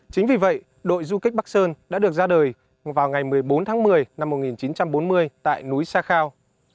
chính vì vậy đội du kích bắc sơn đã được ra đời vào ngày một mươi bốn tháng một mươi năm một nghìn chín trăm bốn mươi tại núi sa khao